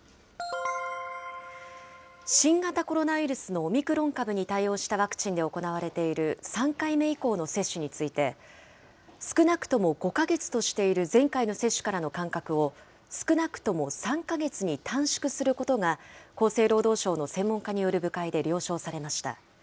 新型コロナウイルスのオミクロン株に対応したワクチンで行われている３回目以降の接種について、少なくとも５か月としている前回の接種からの間隔を、少なくとも３か月に短縮することが、厚生労働省の専門家による部会で了承されました。